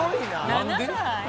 何で？